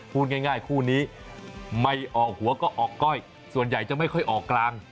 พูดง่ายคู่นี้ไม่ออกหัวก็ออกก้อยส่วนใหญ่จะไม่ค่อยออกกลาง